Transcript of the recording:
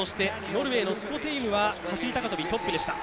ノルウェーのスコテイムは走高跳、トップでした。